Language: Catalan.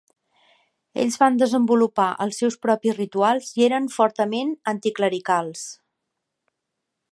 Ells van desenvolupar els seus propis rituals i eren fortament anticlericals.